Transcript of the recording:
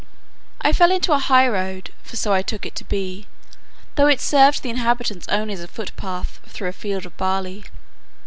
I fell into a high road, for so I took it to be, though it served to the inhabitants only as a foot path through a field of barley.